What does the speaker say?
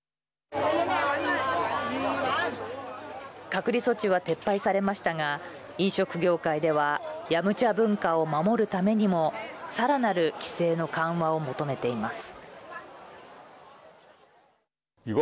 隔離措置は撤廃されましたが飲食業界ではヤムチャ文化を守るためにもさらなる規制の緩和を求めています。